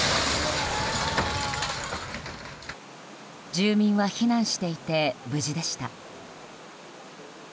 住民は避難していて無事でした。